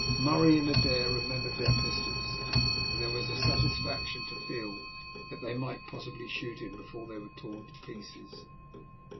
Murray and Adair remembered their pistols, and it was a satisfaction to feel that they might possibly shoot him before they were torn to pieces.